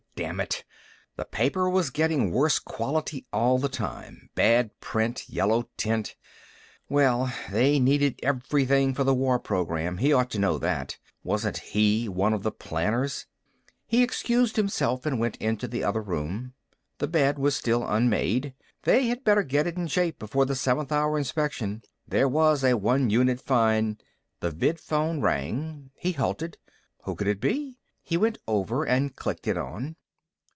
Damn it, the paper was getting worse quality all the time, bad print, yellow tint Well, they needed everything for the war program. He ought to know that. Wasn't he one of the planners? He excused himself and went into the other room. The bed was still unmade. They had better get it in shape before the seventh hour inspection. There was a one unit fine The vidphone rang. He halted. Who would it be? He went over and clicked it on.